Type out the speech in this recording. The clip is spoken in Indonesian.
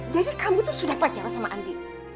jadi kamu tuh sudah pacaran sama andi